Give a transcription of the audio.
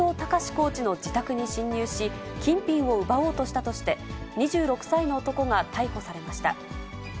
コーチの自宅に侵入し、金品を奪おうとしたとして、２６歳の男が逮捕されました。